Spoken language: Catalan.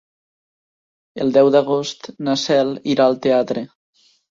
El deu d'agost na Cel irà al teatre.